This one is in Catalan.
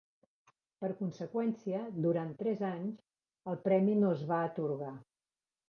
Per conseqüència durant tres anys, el premi no es va atorgar.